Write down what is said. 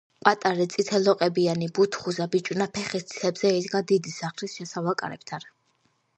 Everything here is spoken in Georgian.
პატარა, წითელლოყებიანი, ბუთხუზა ბიჭუნა ფეხის თითებზე იდგა დიდი სახლის შესავალ კარებთან.